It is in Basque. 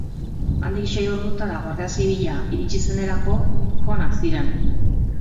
Handik sei ordutara Guardia Zibila iritsi zenerako joanak ziren.